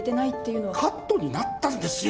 カットになったんですよ